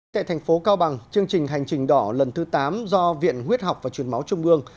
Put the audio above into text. tại thành phố cao bằng chương trình hành trình đỏ lần thứ tám do viện huyết học và truyền máu trung ương